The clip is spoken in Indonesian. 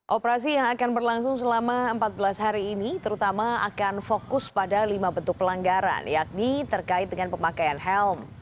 operasi yang akan berlangsung selama empat belas hari ini terutama akan fokus pada lima bentuk pelanggaran yakni terkait dengan pemakaian helm